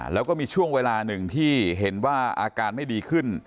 แล้วก็มีช่วงเวลาหนึ่งที่เห็นว่าอาการไม่ดีขึ้น